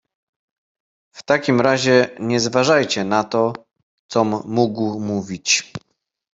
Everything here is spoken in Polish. "W takim razie nie zważajcie na to, com mógł mówić!"